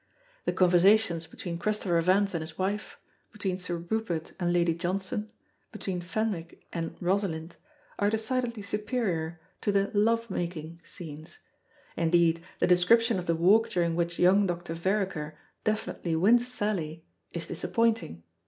The conversations between Christopher Vance and his wife, between Sir Rupert and Lady Johnson, between Fenwick and Rosalind, are decidedly superior to the "love making" scenes. Indeed, the description of the walk during which young Dr. Vereker definitely wins Sally, is disappointing.